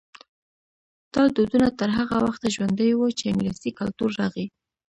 دا دودونه تر هغه وخته ژوندي وو چې انګلیسي کلتور راغی.